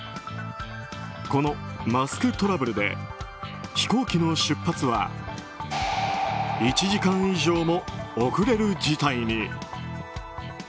このマスクトラブルで飛行機の出発は１時間以上も遅れる事態に。